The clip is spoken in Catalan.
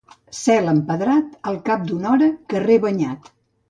Cel empedrat, al cap d'una hora carrer banyat.